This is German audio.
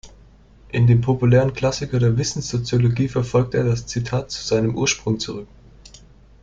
In dem populären Klassiker der Wissenssoziologie verfolgt er das Zitat zu seinem Ursprung zurück.